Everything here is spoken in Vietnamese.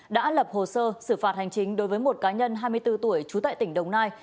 đã lập hồ sơ xử phạt hành chính đối với một cá nhân hai mươi bốn tuổi trú tại tỉnh đồng nai